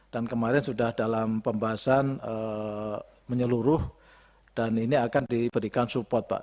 dan kemarin sudah dalam pembahasan menyeluruh dan ini akan diberikan support pak